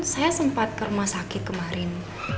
saya sempat ke rumah sakit kemarin